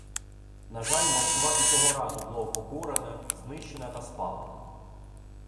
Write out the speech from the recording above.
На жаль, Москва і того разу була упокорена, знищена та спалена